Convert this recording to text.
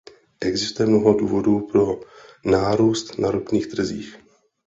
Existuje mnoho důvodů pro nárůst na ropných trzích.